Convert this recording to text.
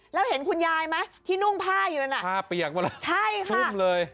แล้วเห็นคุณยายไหมที่นุ่งผ้าอยู่ด้านท่าเปียกมันเลย